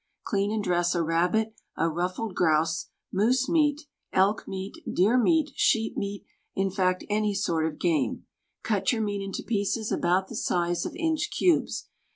Clean and dress a rabbit, a ruffled grouse, moose meat, elk meat, deer meat, sheep meat, in fact any sort of game. Cut your meat into pieces about the size of inch cubes.